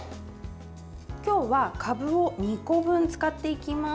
今日はかぶを２個分使っていきます。